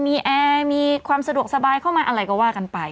มีแอร์มีความสะดวกสบายเข้ามาอะไรก็ว่ากันไป